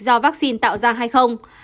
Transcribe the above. do vaccine tạo ra hay không